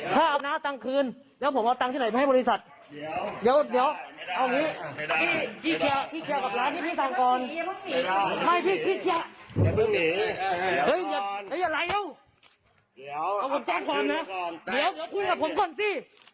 เดี๋ยวเอาผมจัดความนะเดี๋ยวคุยกับผมก่อนสิ